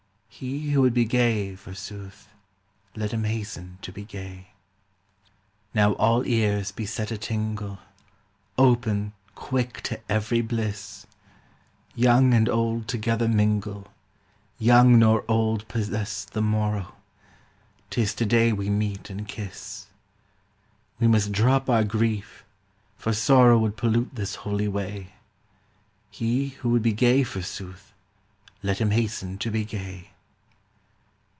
He who would be gay, forsooth, Let him hasten to be gay. 73 Now all ears be set a tingle, Open, quick to every bliss 1 Young and old together mingle, Young nor old possess the morrow, 'Tis to day we meet and kiss ; We must drop our grief, for sorrow Would pollute this holy way : He who would be gay, forsooth, Let him hasten to be gay.